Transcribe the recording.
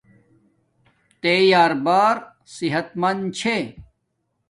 تے یار بار صحت مندا چھے